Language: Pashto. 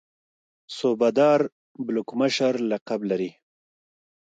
صوبه دار بلوک مشر لقب لري.